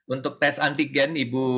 untuk tes antigen